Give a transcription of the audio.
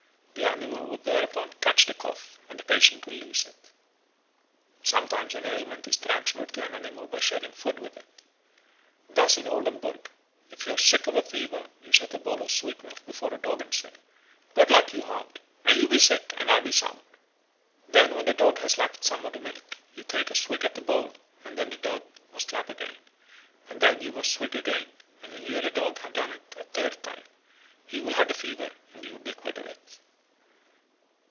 The animal will thereupon catch the cough and the patient will lose it. Sometimes an ailment is transferred to an animal by sharing food with it. Thus in Oldenburg, if you are sick of a fever you set a bowl of sweet milk before a dog and say, "Good luck, you hound! may you be sick and I be sound!" Then when the dog has lapped some of the milk, you take a swig at the bowl; and then the dog must lap again, and then you must swig again; and when you and the dog have done it the third time, he will have the fever and you will be quit of it.